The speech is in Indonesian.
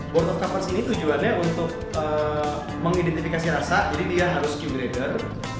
board of cupers ini tujuannya untuk mengidentifikasi rasa jadi dia harus q grader